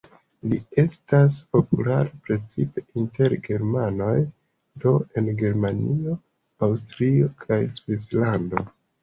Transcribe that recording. Li estas populara precipe inter germanoj, do en Germanio, Aŭstrio kaj Svislando.